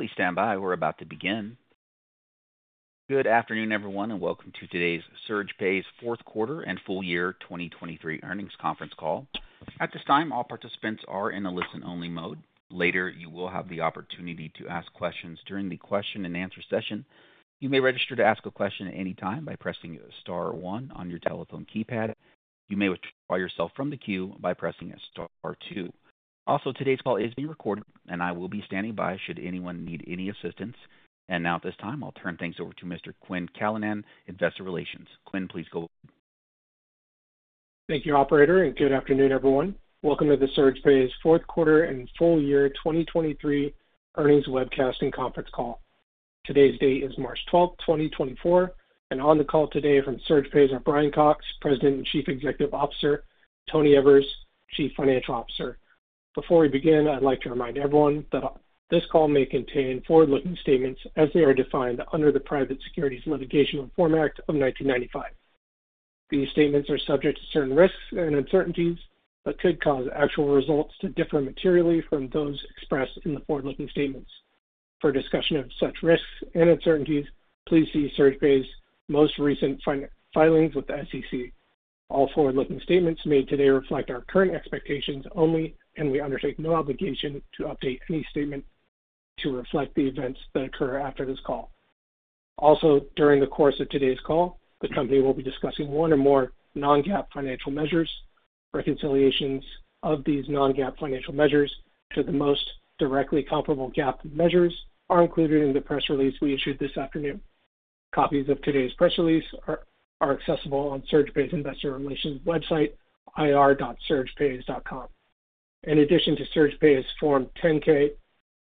Please stand by. We're about to begin. Good afternoon, everyone, and welcome to today's SurgePays fourth quarter and full year 2023 earnings conference call. At this time, all participants are in a listen-only mode. Later, you will have the opportunity to ask questions during the question-and-answer session. You may register to ask a question at any time by pressing star one on your telephone keypad. You may withdraw yourself from the queue by pressing star two. Also, today's call is being recorded and I will be standing by should anyone need any assistance. And now, at this time, I'll turn things over to Mr. Quinn Callanan, Investor Relations. Quinn, please go. Thank you, operator, and good afternoon, everyone. Welcome to the SurgePays fourth quarter and full year 2023 earnings webcast and conference call. Today's date is March 12, 2024, and on the call today from SurgePays are Brian Cox, President and Chief Executive Officer, Tony Evers, Chief Financial Officer. Before we begin, I'd like to remind everyone that this call may contain forward-looking statements as they are defined under the Private Securities Litigation Reform Act of 1995. These statements are subject to certain risks and uncertainties that could cause actual results to differ materially from those expressed in the forward-looking statements. For a discussion of such risks and uncertainties, please see SurgePays' most recent financial filings with the SEC. All forward-looking statements made today reflect our current expectations only, and we undertake no obligation to update any statement to reflect the events that occur after this call. Also, during the course of today's call, the company will be discussing one or more non-GAAP financial measures. Reconciliations of these non-GAAP financial measures to the most directly comparable GAAP measures are included in the press release we issued this afternoon. Copies of today's press release are accessible on SurgePays' Investor Relations website, ir.surgepays.com. In addition to SurgePays' Form 10-K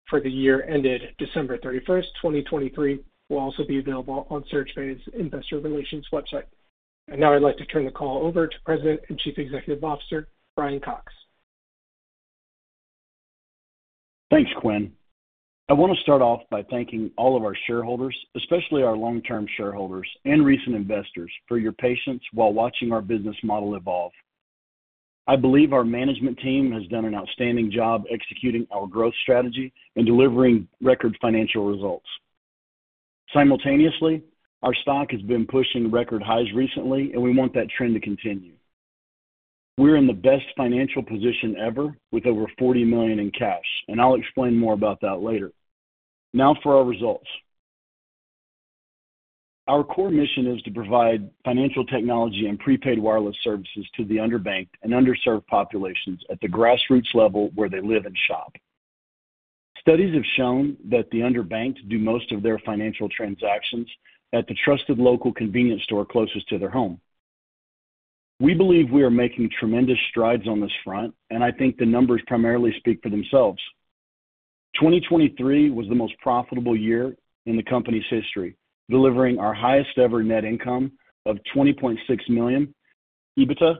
for the year ended December 31, 2023, will also be available on SurgePays' Investor Relations website. And now I'd like to turn the call over to President and Chief Executive Officer, Brian Cox. Thanks, Quinn. I want to start off by thanking all of our shareholders, especially our long-term shareholders and recent investors, for your patience while watching our business model evolve. I believe our management team has done an outstanding job executing our growth strategy and delivering record financial results. Simultaneously, our stock has been pushing record highs recently, and we want that trend to continue. We're in the best financial position ever, with over $40 million in cash, and I'll explain more about that later. Now for our results. Our core mission is to provide financial technology and prepaid wireless services to the underbanked and underserved populations at the grassroots level where they live and shop. Studies have shown that the underbanked do most of their financial transactions at the trusted local convenience store closest to their home. We believe we are making tremendous strides on this front, and I think the numbers primarily speak for themselves. 2023 was the most profitable year in the company's history, delivering our highest-ever net income of $20.6 million, EBITDA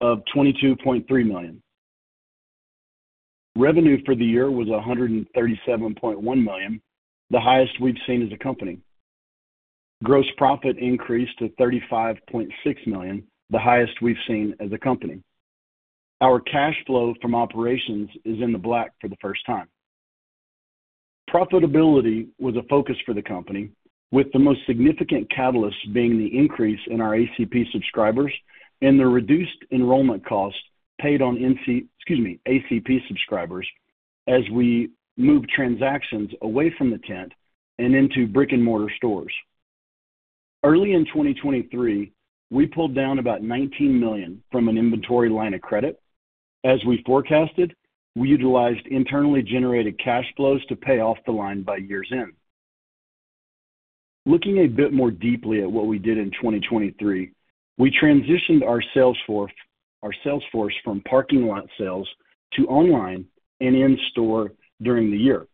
of $22.3 million. Revenue for the year was $137.1 million, the highest we've seen as a company. Gross profit increased to $35.6 million, the highest we've seen as a company. Our cash flow from operations is in the black for the first time. Profitability was a focus for the company, with the most significant catalyst being the increase in our ACP subscribers and the reduced enrollment costs paid on, excuse me, ACP subscribers as we moved transactions away from the tent and into brick-and-mortar stores. Early in 2023, we pulled down about $19 million from an inventory line of credit. As we forecasted, we utilized internally generated cash flows to pay off the line by year's end. Looking a bit more deeply at what we did in 2023, we transitioned our sales force, our sales force from parking lot sales to online and in-store during the year.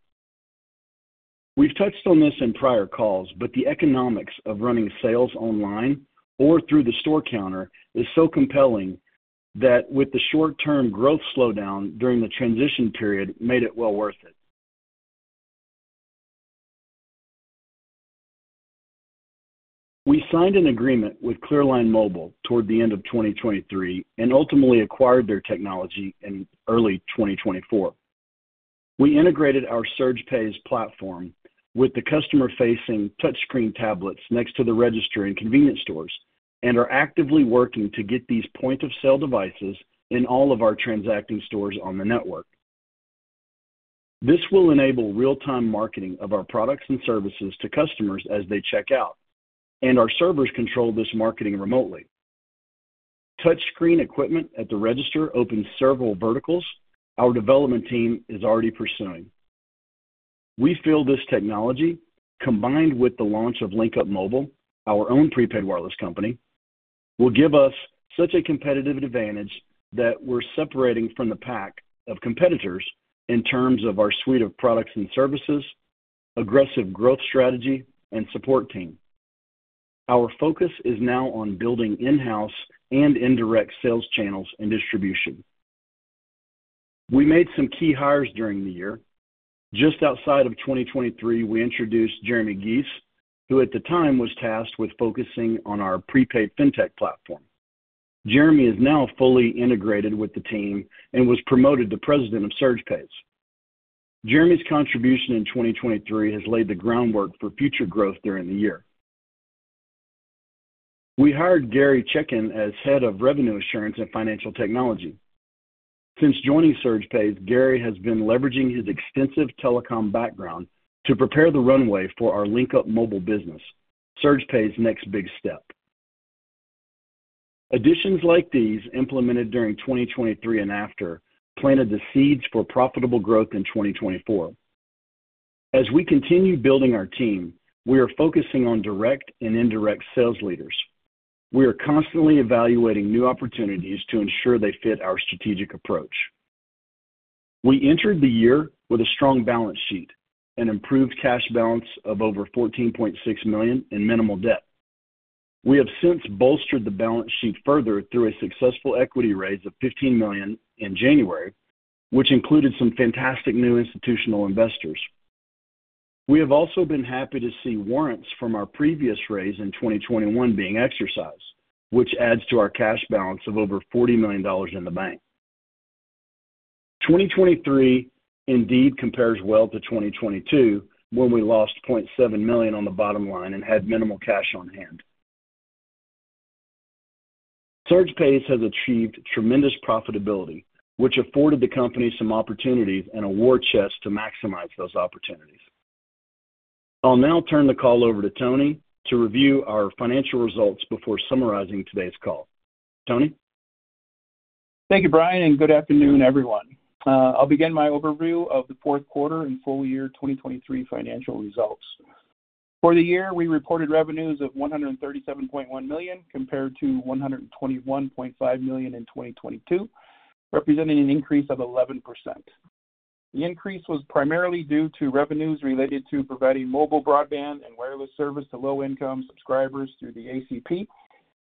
We've touched on this in prior calls, but the economics of running sales online or through the store counter is so compelling that, with the short-term growth slowdown during the transition period, made it well worth it. We signed an agreement with ClearLine Mobile toward the end of 2023 and ultimately acquired their technology in early 2024. We integrated our SurgePays platform with the customer-facing touchscreen tablets next to the register in convenience stores and are actively working to get these point-of-sale devices in all of our transacting stores on the network. This will enable real-time marketing of our products and services to customers as they check out, and our servers control this marketing remotely. Touchscreen equipment at the register opens several verticals our development team is already pursuing. We feel this technology, combined with the launch of LinkUp Mobile, our own prepaid wireless company, will give us such a competitive advantage that we're separating from the pack of competitors in terms of our suite of products and services, aggressive growth strategy, and support team. Our focus is now on building in-house and indirect sales channels and distribution. We made some key hires during the year. Just outside of 2023, we introduced Jeremy Gies, who at the time was tasked with focusing on our prepaid fintech platform. Jeremy is now fully integrated with the team and was promoted to President of SurgePays. Jeremy's contribution in 2023 has laid the groundwork for future growth during the year. We hired Gary Chekan as Head of Revenue Assurance and Financial Technology. Since joining SurgePays, Gary has been leveraging his extensive telecom background to prepare the runway for our LinkUp Mobile business, SurgePays' next big step. Additions like these, implemented during 2023 and after, planted the seeds for profitable growth in 2024. As we continue building our team, we are focusing on direct and indirect sales leaders. We are constantly evaluating new opportunities to ensure they fit our strategic approach. We entered the year with a strong balance sheet, an improved cash balance of over $14.6 million, and minimal debt. We have since bolstered the balance sheet further through a successful equity raise of $15 million in January, which included some fantastic new institutional investors. We have also been happy to see warrants from our previous raise in 2021 being exercised, which adds to our cash balance of over $40 million in the bank. 2023 indeed compares well to 2022, when we lost $0.7 million on the bottom line and had minimal cash on hand. SurgePays has achieved tremendous profitability, which afforded the company some opportunities and a war chest to maximize those opportunities. I'll now turn the call over to Tony to review our financial results before summarizing today's call. Tony? Thank you, Brian, and good afternoon, everyone. I'll begin my overview of the fourth quarter and full year 2023 financial results. For the year, we reported revenues of $137.1 million, compared to $121.5 million in 2022, representing an increase of 11%. The increase was primarily due to revenues related to providing mobile broadband and wireless service to low-income subscribers through the ACP,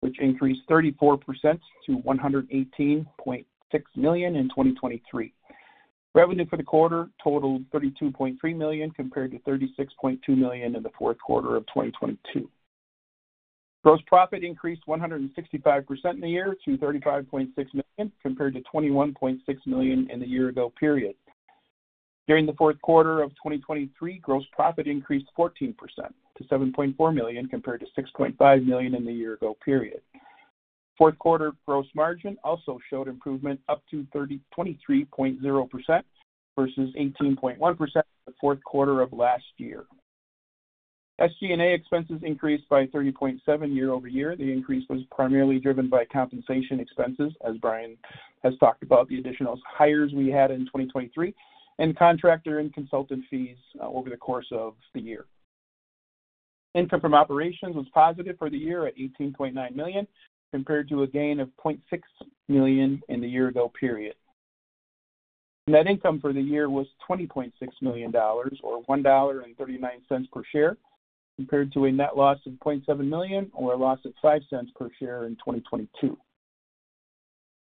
which increased 34% to $118.6 million in 2023. Revenue for the quarter totaled $32.3 million, compared to $36.2 million in the fourth quarter of 2022. Gross profit increased 165% in the year to $35.6 million, compared to $21.6 million in the year ago period. During the fourth quarter of 2023, gross profit increased 14% to $7.4 million, compared to $6.5 million in the year-ago period. Fourth quarter gross margin also showed improvement up to 23.0% versus 18.1% the fourth quarter of last year. SG&A expenses increased by 30.7% year-over-year. The increase was primarily driven by compensation expenses, as Brian has talked about, the additional hires we had in 2023, and contractor and consultant fees, over the course of the year. Income from operations was positive for the year at $18.9 million, compared to a gain of $0.6 million in the year-ago period. Net income for the year was $20.6 million, or $1.39 per share, compared to a net loss of $0.7 million, or a loss of $0.05 per share in 2022.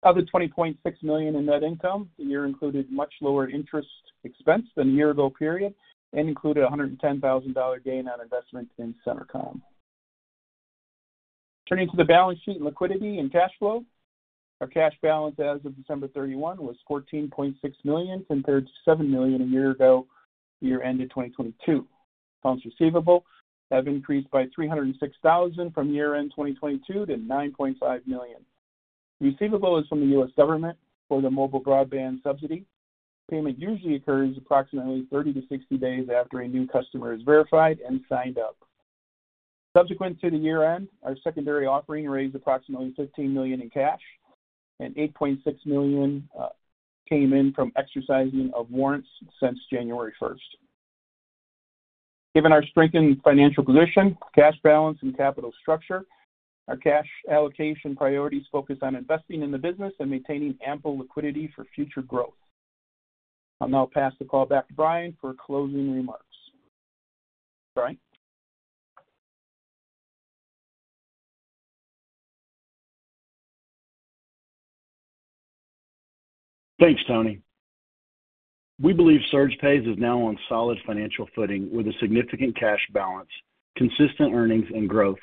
Of the $20.6 million in net income, the year included much lower interest expense than the year-ago period and included a $110,000 gain on investment in Centercom. Turning to the balance sheet, liquidity, and cash flow. Our cash balance as of December 31 was $14.6 million, compared to $7 million a year ago, year-end 2022. Funds receivable have increased by $306,000 from year-end 2022 to $9.5 million. Receivable is from the U.S. government for the mobile broadband subsidy. Payment usually occurs approximately 30-60 days after a new customer is verified and signed up. Subsequent to the year-end, our secondary offering raised approximately $15 million in cash, and $8.6 million came in from exercising of warrants since January first. Given our strengthened financial position, cash balance and capital structure, our cash allocation priorities focus on investing in the business and maintaining ample liquidity for future growth. I'll now pass the call back to Brian for closing remarks. Brian? Thanks, Tony. We believe SurgePays is now on solid financial footing with a significant cash balance, consistent earnings, and growth.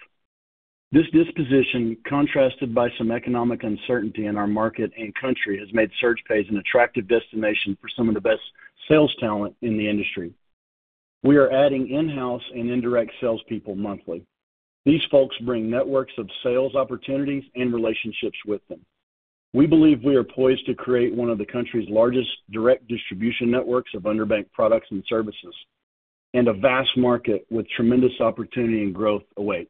This disposition, contrasted by some economic uncertainty in our market and country, has made SurgePays an attractive destination for some of the best sales talent in the industry. We are adding in-house and indirect salespeople monthly. These folks bring networks of sales opportunities and relationships with them. We believe we are poised to create one of the country's largest direct distribution networks of underbanked products and services, and a vast market with tremendous opportunity and growth awaits.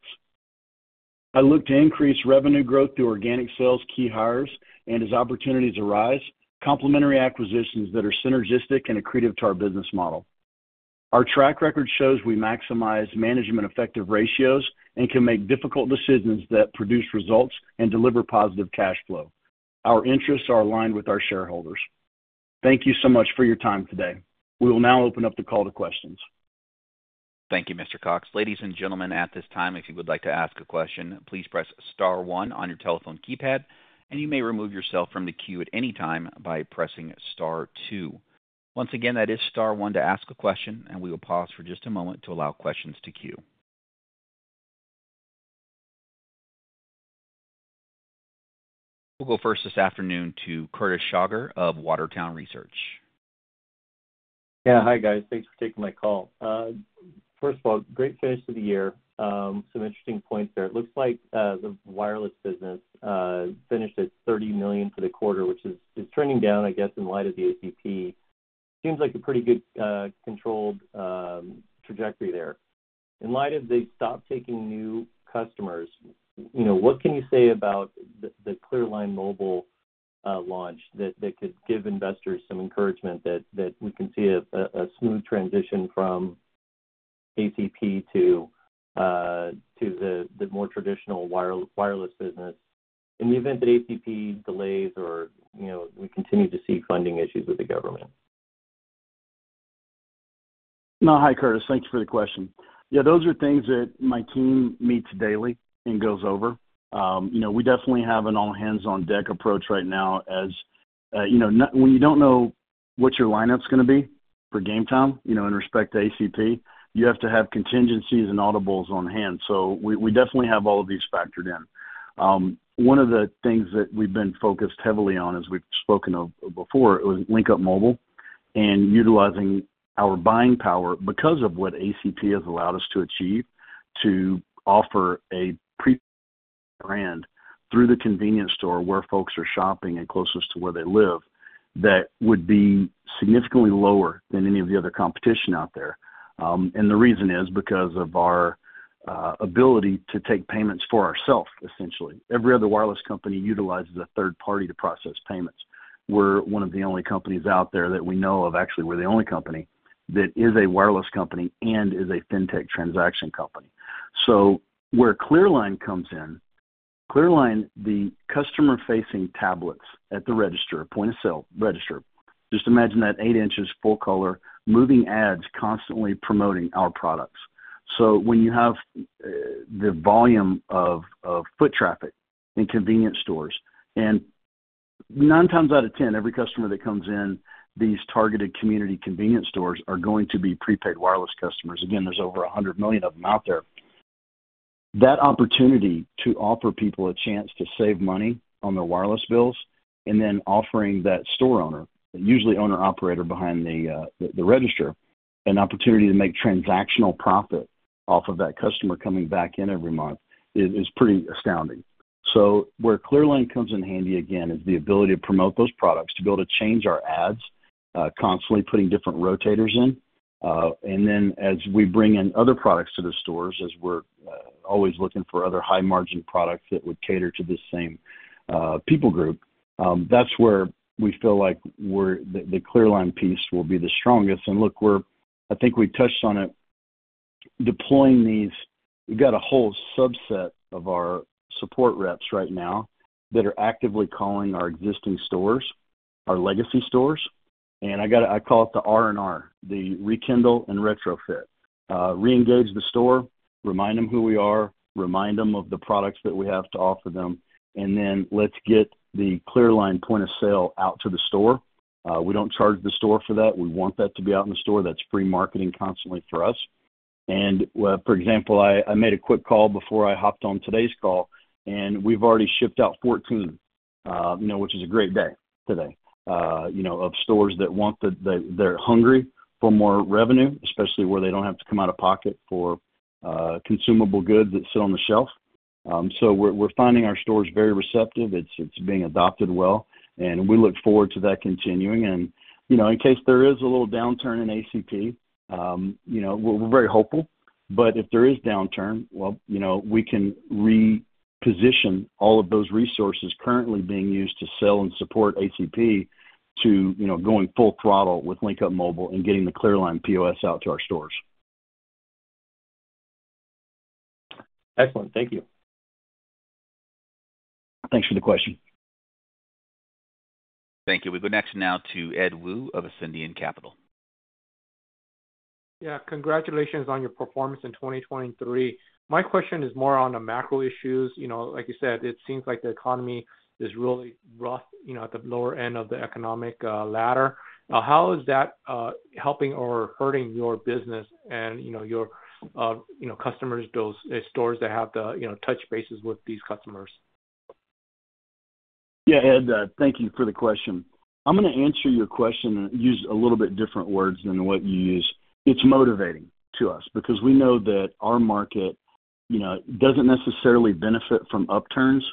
I look to increase revenue growth through organic sales, key hires, and as opportunities arise, complementary acquisitions that are synergistic and accretive to our business model. Our track record shows we maximize management effective ratios and can make difficult decisions that produce results and deliver positive cash flow. Our interests are aligned with our shareholders. Thank you so much for your time today. We will now open up the call to questions. Thank you, Mr. Cox. Ladies and gentlemen, at this time, if you would like to ask a question, please press star one on your telephone keypad, and you may remove yourself from the queue at any time by pressing star two. Once again, that is star one to ask a question, and we will pause for just a moment to allow questions to queue. We'll go first this afternoon to Curtis Shauger of Water Tower Research. Yeah. Hi, guys. Thanks for taking my call. First of all, great finish to the year. Some interesting points there. It looks like the wireless business finished at $30 million for the quarter, which is trending down, I guess, in light of the ACP. Seems like a pretty good controlled trajectory there. In light of they've stopped taking new customers, you know, what can you say about the ClearLine Mobile launch that could give investors some encouragement that we can see a smooth transition from ACP to the more traditional wireless business in the event that ACP delays or, you know, we continue to see funding issues with the government? No. Hi, Curtis. Thank you for the question. Yeah, those are things that my team meets daily and goes over. You know, we definitely have an all-hands-on-deck approach right now as, you know, when you don't know what your lineup's gonna be for game time, you know, in respect to ACP, you have to have contingencies and audibles on hand. So we, we definitely have all of these factored in. One of the things that we've been focused heavily on, as we've spoken of before, was LinkUp Mobile and utilizing our buying power because of what ACP has allowed us to achieve, to offer a pre-brand through the convenience store where folks are shopping and closest to where they live, that would be significantly lower than any of the other competition out there. And the reason is because of our ability to take payments for ourselves, essentially. Every other wireless company utilizes a third party to process payments. We're one of the only companies out there that we know of, actually, we're the only company, that is a wireless company and is a fintech transaction company. So where ClearLine comes in, ClearLine, the customer-facing tablets at the register, point-of-sale register, just imagine that 8 inches full color, moving ads, constantly promoting our products. So when you have, the volume of foot traffic in convenience stores, and nine times out of ten, every customer that comes in these targeted community convenience stores are going to be prepaid wireless customers. Again, there's over 100 million of them out there. That opportunity to offer people a chance to save money on their wireless bills and then offering that store owner, usually owner-operator behind the register, an opportunity to make transactional profit off of that customer coming back in every month is pretty astounding. So where ClearLine comes in handy, again, is the ability to promote those products, to be able to change our ads constantly putting different rotators in. And then as we bring in other products to the stores, as we're always looking for other high-margin products that would cater to the same people group, that's where we feel like we're the ClearLine piece will be the strongest. And look, we're I think we touched on it. Deploying these, we've got a whole subset of our support reps right now that are actively calling our existing stores, our legacy stores, and I call it the R&R, the rekindle and retrofit. Re-engage the store, remind them who we are, remind them of the products that we have to offer them, and then let's get the ClearLine Point of Sale out to the store. We don't charge the store for that. We want that to be out in the store. That's free marketing constantly for us. Well, for example, I made a quick call before I hopped on today's call, and we've already shipped out 14, you know, which is a great day today, you know, of stores that want the—they're hungry for more revenue, especially where they don't have to come out of pocket for consumable goods that sit on the shelf. So we're finding our stores very receptive. It's being adopted well, and we look forward to that continuing. You know, in case there is a little downturn in ACP, you know, we're very hopeful, but if there is downturn, well, you know, we can reposition all of those resources currently being used to sell and support ACP to going full throttle with LinkUp Mobile and getting the ClearLine POS out to our stores. Excellent. Thank you. Thanks for the question. Thank you. We go next now to Ed Woo of Ascendiant Capital. Yeah. Congratulations on your performance in 2023. My question is more on the macro issues. You know, like you said, it seems like the economy is really rough, you know, at the lower end of the economic ladder. Now, how is that helping or hurting your business and, you know, your customers, those stores that have the, you know, touch bases with these customers? Yeah, Ed, thank you for the question. I'm gonna answer your question and use a little bit different words than what you used. It's motivating to us because we know that our market, you know, doesn't necessarily benefit from upturns,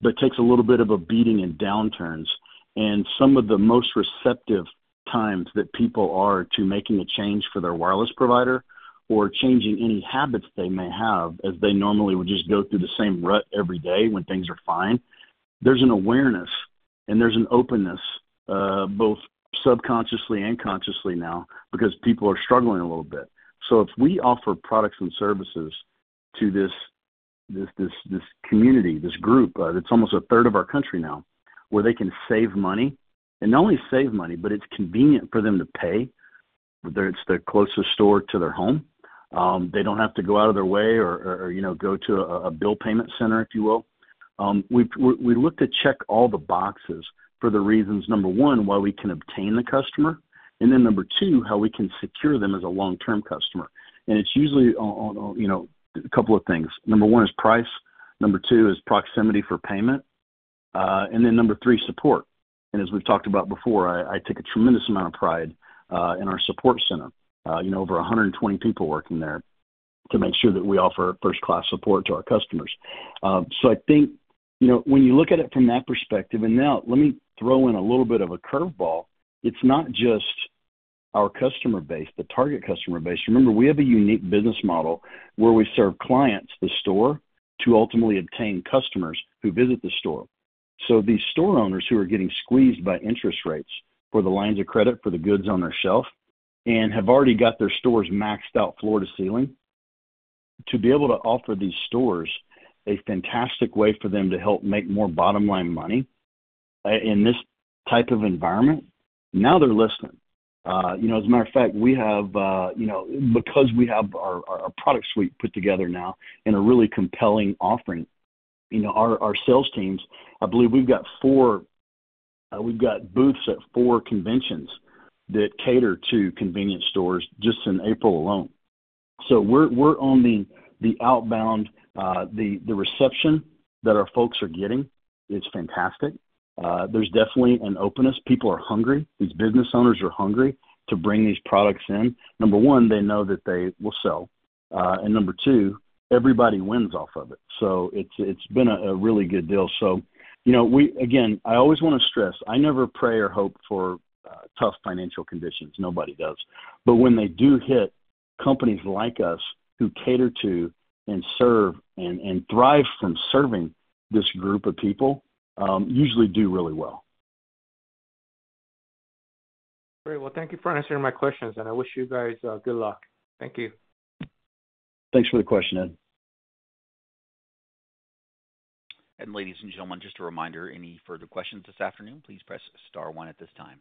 but takes a little bit of a beating in downturns. And some of the most receptive times that people are to making a change for their wireless provider or changing any habits they may have, as they normally would just go through the same rut every day when things are fine, there's an awareness and there's an openness, both subconsciously and consciously now, because people are struggling a little bit. So if we offer products and services to this community, this group, that's almost a third of our country now, where they can save money, and not only save money, but it's convenient for them to pay, whether it's the closest store to their home, they don't have to go out of their way or, you know, go to a bill payment center, if you will. We look to check all the boxes for the reasons, number 1, why we can obtain the customer, and then number 2, how we can secure them as a long-term customer. It's usually on, you know, a couple of things. Number 1 is price, number 2 is proximity for payment, and then number 3, support. As we've talked about before, I take a tremendous amount of pride in our support center. You know, over 120 people working there to make sure that we offer first-class support to our customers. So I think, you know, when you look at it from that perspective, and now let me throw in a little bit of a curveball, it's not just our customer base, the target customer base. Remember, we have a unique business model where we serve clients, the store, to ultimately obtain customers who visit the store. So these store owners who are getting squeezed by interest rates for the lines of credit, for the goods on their shelf, and have already got their stores maxed out floor to ceiling, to be able to offer these stores a fantastic way for them to help make more bottom-line money, in this type of environment, now they're listening. You know, as a matter of fact, we have, you know, because we have our, our, our product suite put together now in a really compelling offering, you know, our, our sales teams, I believe we've got four. We've got booths at four conventions that cater to convenience stores just in April alone. So we're, we're on the, the outbound, the, the reception that our folks are getting is fantastic. There's definitely an openness. People are hungry. These business owners are hungry to bring these products in. Number one, they know that they will sell, and number two, everybody wins off of it. So it's been a really good deal. So, you know, we, again, I always wanna stress, I never pray or hope for tough financial conditions. Nobody does. But when they do hit, companies like us, who cater to and serve and thrive from serving this group of people, usually do really well. Great. Well, thank you for answering my questions, and I wish you guys good luck. Thank you. Thanks for the question, Ed. Ladies and gentlemen, just a reminder, any further questions this afternoon, please press star one at this time.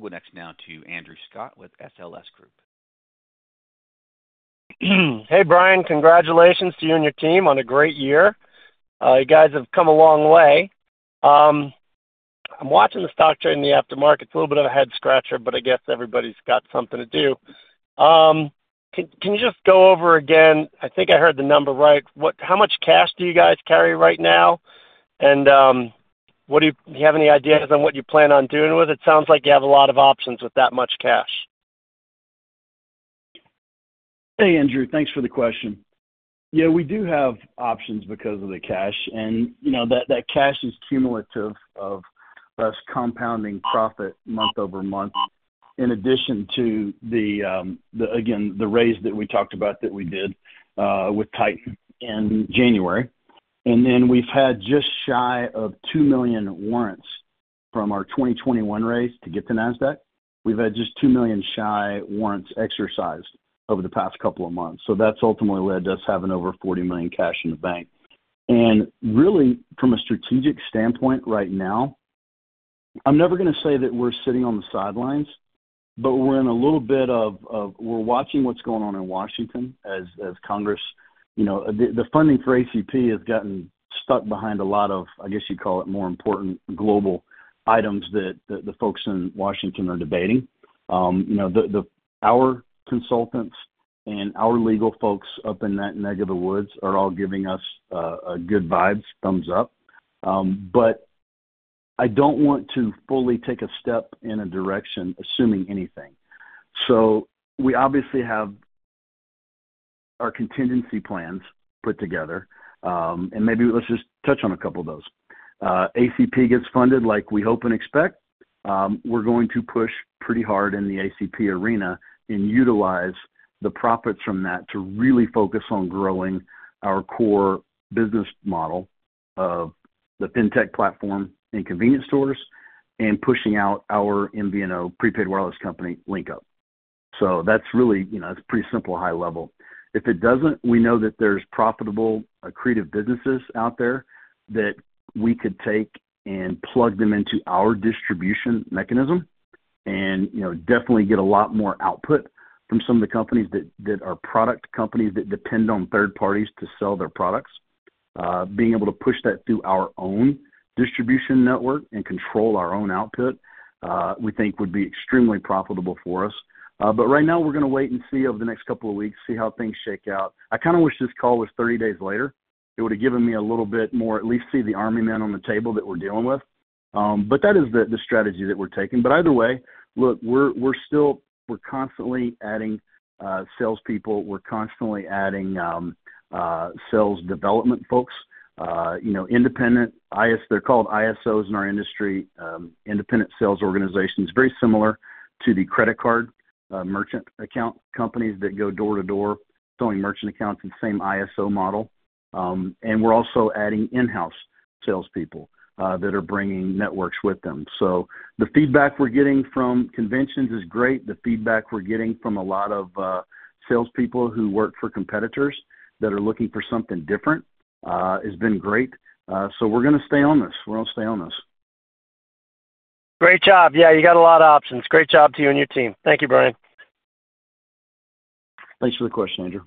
We'll go next now to Andrew Scott with SLS Group. Hey, Brian, congratulations to you and your team on a great year. You guys have come a long way. I'm watching the stock trade in the aftermarket. It's a little bit of a head scratcher, but I guess everybody's got something to do. Can you just go over again? I think I heard the number right. How much cash do you guys carry right now? And what do you... Do you have any ideas on what you plan on doing with it? Sounds like you have a lot of options with that much cash. Hey, Andrew. Thanks for the question. Yeah, we do have options because of the cash, and, you know, that, that cash is cumulative of us compounding profit month over month, in addition to the, the, again, the raise that we talked about that we did with Titan in January. And then we've had just shy of 2 million warrants from our 2021 raise to get to Nasdaq. We've had just 2 million-shy warrants exercised over the past couple of months. So that's ultimately led us having over $40 million cash in the bank. And really, from a strategic standpoint right now, I'm never gonna say that we're sitting on the sidelines, but we're in a little bit of, of - we're watching what's going on in Washington as, as Congress, you know... The funding for ACP has gotten stuck behind a lot of, I guess you'd call it, more important global items that the folks in Washington are debating. You know, our consultants and our legal folks up in that neck of the woods are all giving us a good vibes, thumbs up. But I don't want to fully take a step in a direction, assuming anything. So we obviously have our contingency plans put together, and maybe let's just touch on a couple of those. ACP gets funded like we hope and expect, we're going to push pretty hard in the ACP arena and utilize the profits from that to really focus on growing our core business model of the fintech platform and convenience stores and pushing out our MVNO prepaid wireless company, LinkUp. So that's really, you know, that's pretty simple, high level. If it doesn't, we know that there's profitable, accretive businesses out there that we could take and plug them into our distribution mechanism and, you know, definitely get a lot more output from some of the companies that are product companies that depend on third parties to sell their products. Being able to push that through our own distribution network and control our own output, we think would be extremely profitable for us. But right now, we're gonna wait and see over the next couple of weeks, see how things shake out. I kind of wish this call was thirty days later. It would have given me a little bit more, at least see the army men on the table that we're dealing with. But that is the strategy that we're taking. But either way, look, we're still constantly adding salespeople. We're constantly adding sales development folks, you know, independent ISOs. They're called ISOs in our industry, independent sales organizations, very similar to the credit card merchant account companies that go door to door selling merchant accounts, the same ISO model. And we're also adding in-house salespeople that are bringing networks with them. So the feedback we're getting from conventions is great. The feedback we're getting from a lot of salespeople who work for competitors that are looking for something different has been great. So we're gonna stay on this. We're gonna stay on this. Great job. Yeah, you got a lot of options. Great job to you and your team. Thank you, Brian. Thanks for the question, Andrew.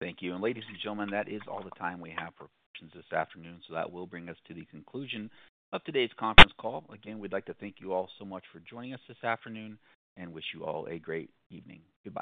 Thank you. Ladies and gentlemen, that is all the time we have for questions this afternoon, so that will bring us to the conclusion of today's conference call. Again, we'd like to thank you all so much for joining us this afternoon and wish you all a great evening. Goodbye.